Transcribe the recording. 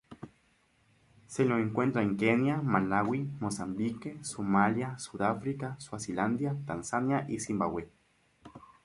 Se lo encuentra en Kenia, Malawi, Mozambique, Somalia, Sudáfrica, Suazilandia, Tanzania, y Zimbabue.